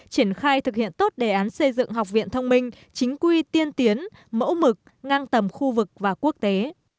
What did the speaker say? triển khai thực hiện tốt đề án xây dựng học viện thông minh chính quy tiên tiến mẫu mực ngang tầm khu vực và quốc tế